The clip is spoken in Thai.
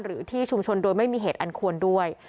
หรือที่ชุมชนโดยไม่มีเหตุอันควรด้วย